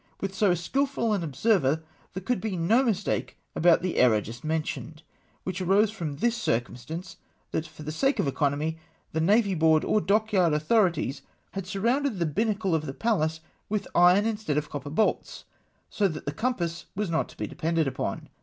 With so skilful an observer, there could be no mistake about the error just mentioned ; which arose from this circumstance, that for the sake of econoni}^, the Navy Board or the dockyard autho rities had surrounded the binnacle of the Pallas with iron instead of copper bolts ; so that the compass was not to be depended upon.